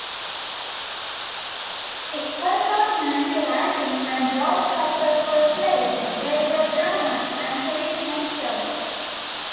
He also turned to writing and wrote successful plays, radio dramas, and television shows.